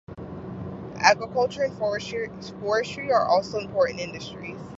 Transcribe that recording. Agriculture and forestry are also important industries.